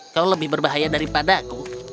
kau lebih berbahaya daripada aku